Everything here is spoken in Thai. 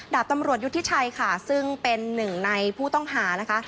ดาบตำรวจยุทธิชัยค่ะซึ่งเป็นหนึ่งในผู้ต้องหานะคะ